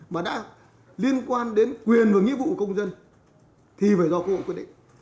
mà đã liên quan đến quyền và nghĩa vụ công dân thì phải do quốc hội quyết định